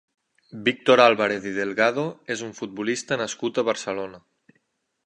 Víctor Álvarez i Delgado és un futbolista nascut a Barcelona.